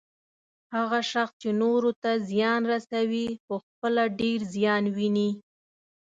هغه شخص چې نورو ته زیان رسوي، پخپله ډیر زیان ويني